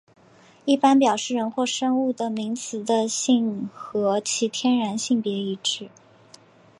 一般表示人或生物的名词的性和其天然性别一致。